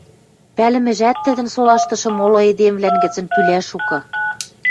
Пӓлӹмӓшӹжӓт тӹдӹн солаштышы молы эдемвлӓн гӹцӹн пӱлӓ шукы.